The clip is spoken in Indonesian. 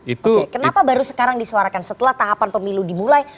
oke kenapa baru sekarang disuarakan setelah tahapan pemilu dimulai